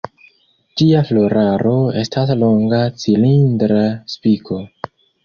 Ĝia floraro estas longa cilindra spiko.